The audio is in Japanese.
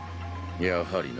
やはりな。